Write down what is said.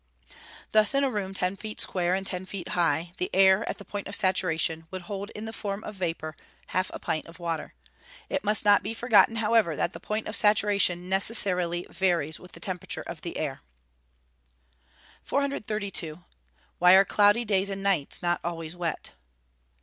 Thus, in a room ten feet square and ten feet high, the air, at the point of saturation, would hold in the form of vapour, half a pint of water. It must not be forgotten, however, that the point of saturation necessarily varies with the temperature of the air. 432. _Why are cloudy days and nights not always wet?